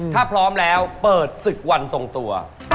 ถ้าพร้อมแล้วเปิดศึกวันทรงตัว